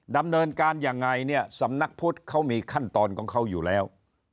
ดำเนินการยังไงเนี่ยสำนักพุทธเขามีขั้นตอนของเขาอยู่แล้ว